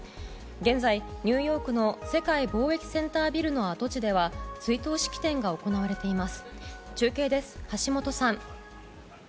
現在も私の奥世界貿易センタービル跡地では追悼式典が行われています。